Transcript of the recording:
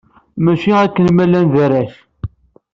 Mačči akken ma llan d arrac.